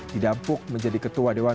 didapuk menjadi ketua dewan penasaran